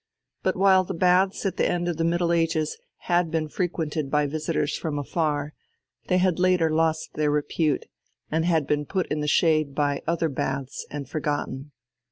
But while the baths at the end of the Middle Ages had been frequented by visitors from afar, they had later lost their repute, and been put in the shade by other baths and forgotten.